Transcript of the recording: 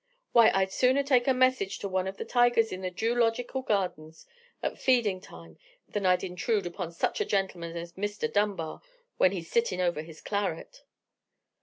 Why, I'd sooner take a message to one of the tigers in the Joological gardings at feedin' time than I'd intrude upon such a gentleman as Mr. Dunbar when he's sittin' over his claret."